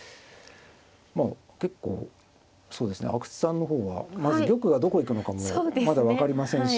まあ結構そうですね阿久津さんの方はまず玉がどこ行くのかもまだ分かりませんし。